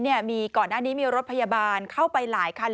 มีก่อนหน้านี้มีรถพยาบาลเข้าไปหลายคัน